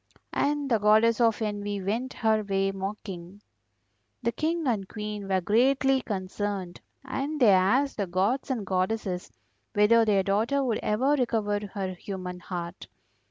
And the Goddess of Envy went her way mocking. The King and Queen were greatly concerned, and they asked the gods and goddesses whether their daughter would ever recover her human heart.